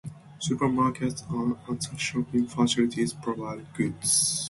Supermarkets and other shopping facilities provide goods.